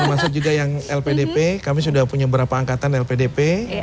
termasuk juga yang lpdp kami sudah punya beberapa angkatan lpdp